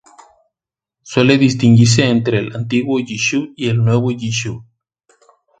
Suele distinguirse entre el "Antiguo Yishuv" y el "Nuevo Yishuv".